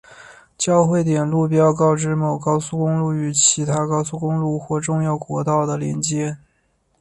交汇点路标告知某高速公路与其他高速公路或重要国道的连接。